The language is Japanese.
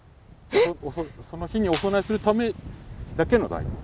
その日にお供えするためだけの大根。